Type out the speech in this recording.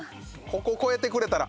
ここ越えてくれたら。